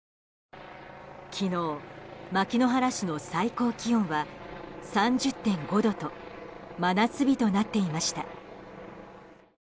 昨日、牧之原市の最高気温は３０．５度と真夏日となっていました。